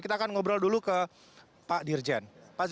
kita akan ngobrol dulu ke pak dirjen